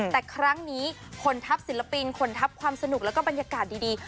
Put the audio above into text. แต่ครั้งนี้ขนทัพศิลปินคนทัพความสนุกแล้วก็บรรยากาศดี